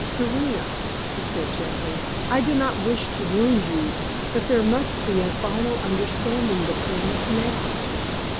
"Serena," he said, gently, "I do not wish to wound you, but there must be a final understanding between us now."